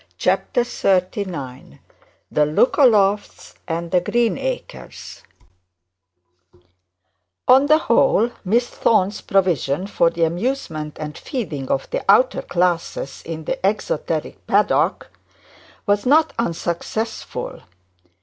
CHAPTER XXXIX THE LOOKALOFTS AND THE GREENACRES On the whole, Miss Thorne's provision for the amusement and feeding of the outer classes in the exoteric paddock was not unsuccessful.